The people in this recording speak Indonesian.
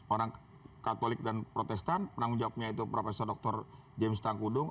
orang katolik dan protestan penanggung jawabnya itu prof dr james tangkudung